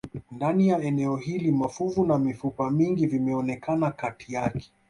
Ndani ya eneo hili mafuvu na mifupa mingi vimeonekana kati yake